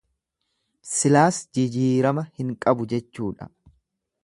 Silaas jijiirama hin qabu jechuudha.